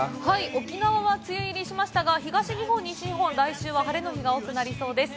沖縄は梅雨入りしましたが、東日本、西日本は、来週は晴れの日が多くなりそうです。